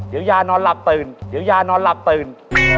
เดี๋ยวยานอนหลับตื่นเดี๋ยวยานอนหลับตื่น